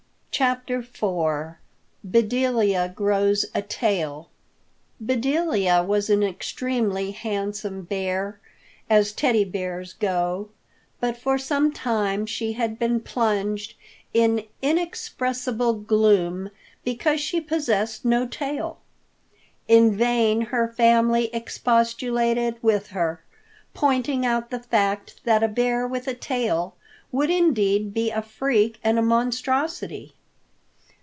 CHAPTER IV BEDELIA GROWS A TAIL BEDELIA was an extremely handsome bear, as Teddy Bears go, but for some time she had been plunged in inexpressible gloom because she possessed no tail. In vain her family expostulated with her, pointing out the fact that a bear with a tail would indeed be a freak and a monstrosity.